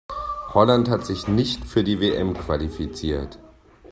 Holland hat sich nicht für die WM qualifiziert.